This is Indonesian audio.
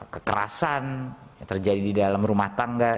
kekerasan yang terjadi di dalam rumah tangga